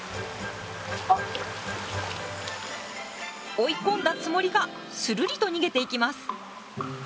追い込んだつもりがスルリと逃げていきます。